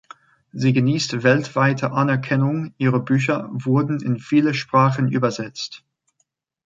Sie genießt weltweite Anerkennung, ihre Bücher wurden in viele Sprachen übersetzt.